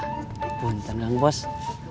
bukannya semua orang sudah tahu kalo ada masjid